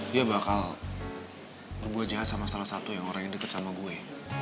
dia bakal berbuat jahat sama salah satu yang orang yang dekat sama gue